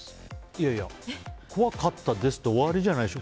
いやいや、怖かったですって終わりじゃないでしょ。